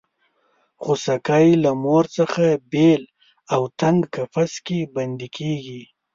خوسکی له مور څخه بېل او تنګ قفس کې بندي کېږي.